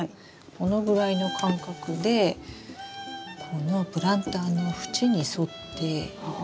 このぐらいの間隔でこのプランターの縁に沿って。